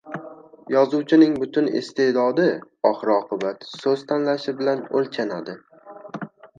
Yozuvchining butun iste’dodi oxir-oqibat so‘z tanlashi bilan o‘lchanadi.